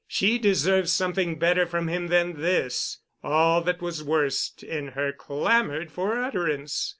She deserved something better from him than this. All that was worst in her clamored for utterance.